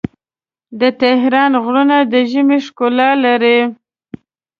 د تهران غرونه د ژمي ښکلا لري.